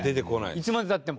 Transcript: いつまで経っても。